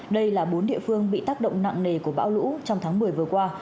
đây là bốn địa phương bị tác động nặng nề của bão lũ trong tháng một mươi vừa qua